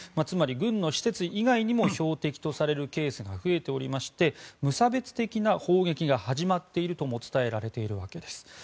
つまり、軍の施設以外にも標的とされるケースが増えておりまして無差別的な砲撃が始まっているとも伝えられているわけです。